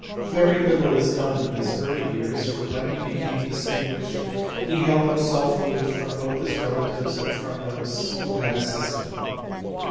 Very little is known of his early years, for when he became distinguished he held himself aloof both from his relatives and from those who had assisted him.